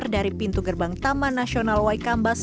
dari pintu gerbang taman nasional waikambas